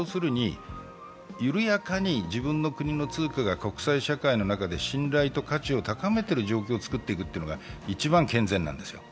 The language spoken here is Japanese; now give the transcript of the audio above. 緩やかに自分の国の通貨が国際社会の中で信頼と価値を高めていく状態を作っていくのが一番健全なんです。